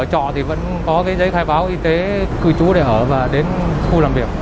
trọ thì vẫn có cái giấy khai báo y tế cư trú để ở và đến khu làm việc